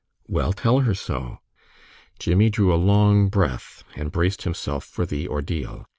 "Well, tell her so." Jimmie drew a long breath and braced himself for the ordeal.